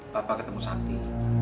bapak ketemu sakti